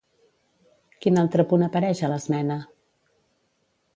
Quin altre punt apareix a l'esmena?